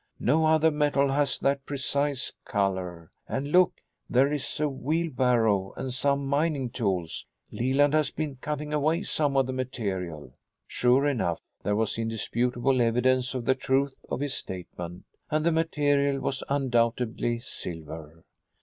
"No other metal has that precise color. And look! There is a wheelbarrow and some mining tools. Leland has been cutting away some of the material." Sure enough, there was indisputable evidence of the truth of his statement. And the material was undoubtedly silver!